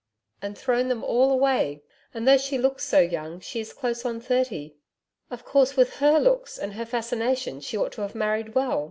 'And thrown them all away. And though she looks so young, she is close on thirty. Of course, with her looks and her fascination she ought to have married well.